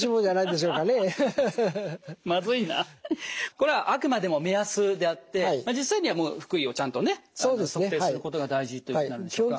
これはあくまでも目安であって実際には腹囲をちゃんとね測定することが大事っていうことになるんでしょうか。